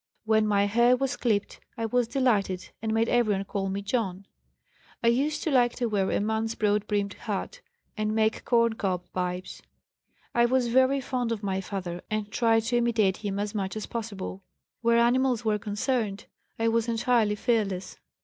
When my hair was clipped, I was delighted and made everyone call me 'John.' I used to like to wear a man's broad brimmed hat and make corn cob pipes. I was very fond of my father and tried to imitate him as much as possible. Where animals were concerned, I was entirely fearless.